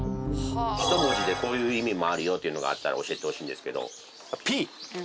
１文字でこういう意味もあるよというのがあったら教えてほしいんですけど。